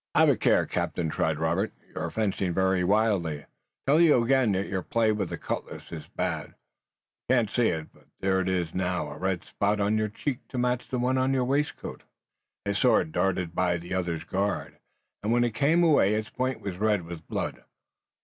"Have a care, captain!" cried Robert. "You are fencing very wildly! I tell you again that your play with the cutlass is bad. You can't see it, but there is now a red spot on your cheek to match the one on your waistcoat." His sword darted by the other's guard, and when it came away it's point was red with blood.